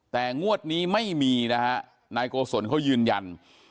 แต่งวดนี้ไม่มีนะฮะนายโกศลเขายืนยัน